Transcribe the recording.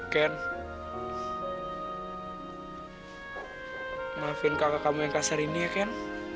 ken maafin kakak kamu yang kasar ini ya ken